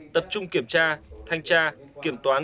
ba tập trung kiểm tra thanh tra kiểm toán